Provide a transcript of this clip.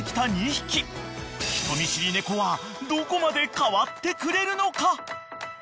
［人見知り猫はどこまで変わってくれるのか？］